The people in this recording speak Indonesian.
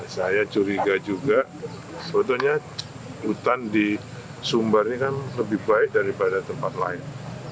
saya curiga juga sebetulnya hutan di sumbar ini kan lebih baik daripada tempat lain